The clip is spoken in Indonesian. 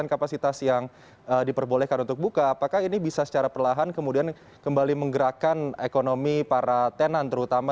apakah ini bisa secara perlahan kemudian kembali menggerakkan ekonomi para tenan terutama